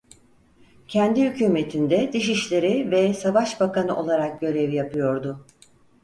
Kendi hükûmetinde Dışişleri ve Savaş bakanı olarak görev yapıyordu.